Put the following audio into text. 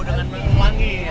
dengan wangi ya